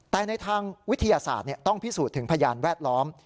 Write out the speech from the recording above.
แต่ในทางวิทยาศาสตร์ต้องพิสูจน์ถึงพยานแวดล้อม